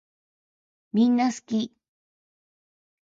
みんなすき